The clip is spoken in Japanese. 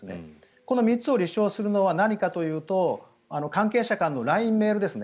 この３つを立証するのは何かというと関係者間のＬＩＮＥ、メールですね。